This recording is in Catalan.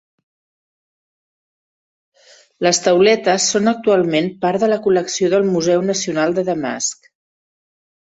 Les tauletes són actualment part de la col·lecció del Museu Nacional de Damasc.